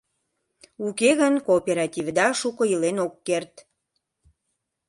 Уке гын кооперативда шуко илен ок керт.